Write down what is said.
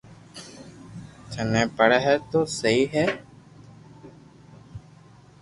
ٿني پڙي ھي تو سھي ھي